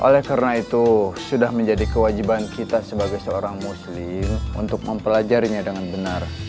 oleh karena itu sudah menjadi kewajiban kita sebagai seorang muslim untuk mempelajarinya dengan benar